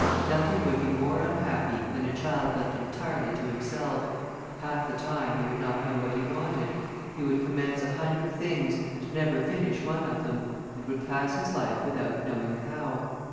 Nothing would be more unhappy than a child left entirely to himself; half the time he would not know what he wanted; he would commence a hundred things, and never finish one of them, and would pass his life without knowing how.